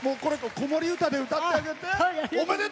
子守歌で歌ってあげて。